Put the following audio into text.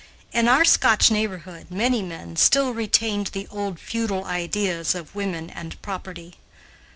In our Scotch neighborhood many men still retained the old feudal ideas of women and property.